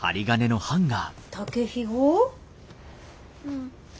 うん。